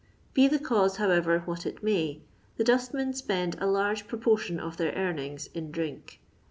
Be the cause, however, what it may, the dustmen spend a large proportion of their earnings in drink.